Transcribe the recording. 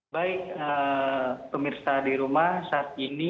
baik pemirsa di rumah saat ini